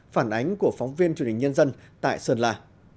phản ánh của phóng viên truyền hình nhân dân tại sơn la